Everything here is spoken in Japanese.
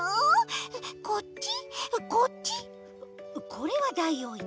これはダイオウイカ。